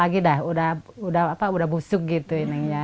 lagian rumahnya udah busuk gitu